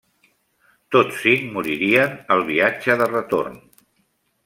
Tots cinc moririen al viatge de retorn.